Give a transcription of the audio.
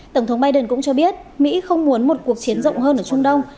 tổng thống biden cũng cho biết mỹ không muốn một cuộc chiến rộng hơn ở trung đông